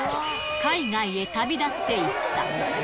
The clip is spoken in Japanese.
海外へ旅立っていった。